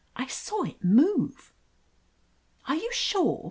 "I saw it move." "Are you sure